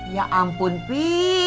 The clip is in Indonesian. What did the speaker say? ya ampun pi